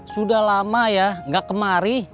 sudah lama ya nggak kemari